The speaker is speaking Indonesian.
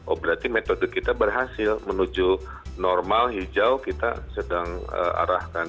oh berarti metode kita berhasil menuju normal hijau kita sedang arahkan